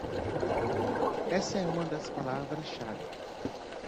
Essa é uma das palavras-chave